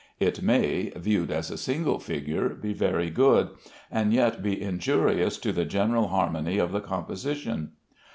It may (viewed as a single figure) be very good, and yet be injurious to the general harmony of the composition.